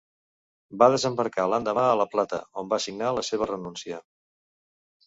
Va desembarcar l'endemà a La Plata, on va signar la seva renúncia.